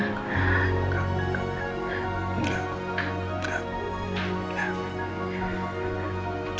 enggak enggak enggak